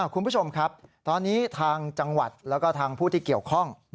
คุณผู้ชมครับตอนนี้ทางจังหวัดแล้วก็ทางผู้ที่เกี่ยวข้อง